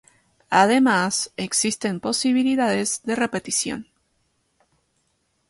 Además, existen posibilidades de repetición.